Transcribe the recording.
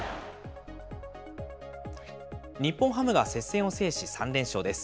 日本ハムが接戦を制し、３連勝です。